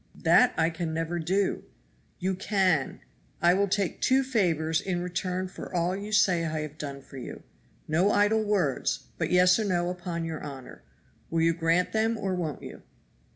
"That I can never do." "You can! I will take two favors in return for all you say I have done for you. No idle words but yes or no upon your honor. Will you grant them or won't you?"